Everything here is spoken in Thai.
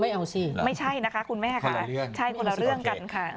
ไม่เอาสิไม่ใช่นะคะคุณแม่ค่ะคนละเรื่องกันค่ะ